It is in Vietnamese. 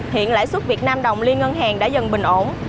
hiện lãi suất việt nam đồng liên ngân hàng đã dần bình ổn